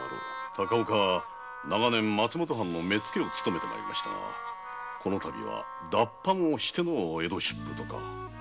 高岡は長年松本藩の目付を勤めてまいりましたがこのたびは脱藩をしてのお江戸出府とか。